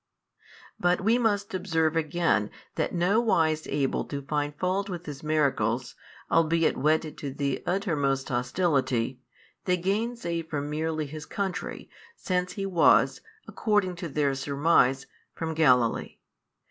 But we must observe again that no wise able to find fault |562 with His miracles, albeit whetted to the uttermost hostility, they gainsay from merely His country, since He was (according to their surmise) from Galilee.